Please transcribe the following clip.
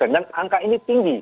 dan angka ini tinggi